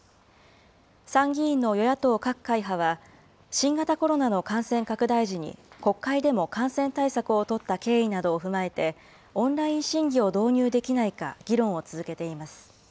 参議院のよ野党各会派は、新型コロナの感染拡大時に国会でも感染対策を取った経緯などを踏まえて、オンライン審議を導入できないか議論を続けています。